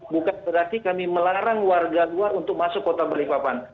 bukan berarti kami melarang warga luar untuk masuk kota balikpapan